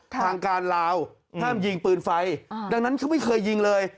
ทางการลาวห้ามยิงปืนไฟดังนั้นเขาไม่เคยยิงเลย